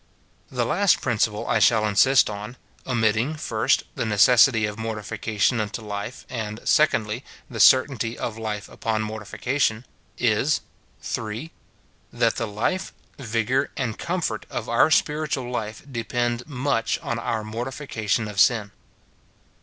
The last principle I shall insist on (omitting, first, the necessity of mortification unto life, and, secondly, the certainty of life upon mortification) is, — III. That the life, vigour, and comfort of our spirit ual life depend much on our mortification of sin.